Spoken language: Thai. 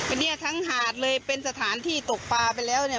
อันนี้ทั้งหาดเลยเป็นสถานที่ตกปลาไปแล้วเนี่ย